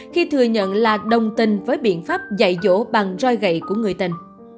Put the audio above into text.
khi thừa nhận là đồng tình với biện pháp dạy dỗ bằng roi gậy của người tình